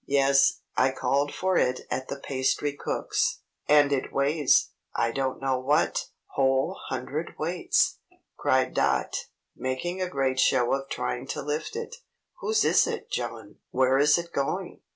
Yes, I called for it at the pastry cook's." "And it weighs, I don't know what whole hundred weights!" cried Dot, making a great show of trying to lift it. "Whose is it, John? Where is it going?"